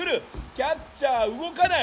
キャッチャー動かない！